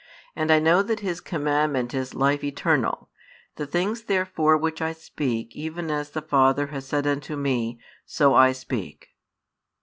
And I know that His commandment is life eternal: the things therefore which I speak, even as the Father hath said unto Me, so I speak.